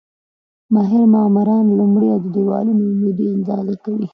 ماهر معماران لومړی د دېوالونو عمودوالی اندازه کوي.